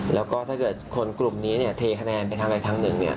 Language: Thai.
แล้วก็ถ้าเกิดคนกลุ่มนี้เทคะแนนไปทางใดทางหนึ่ง